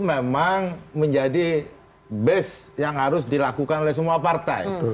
memang menjadi base yang harus dilakukan oleh semua partai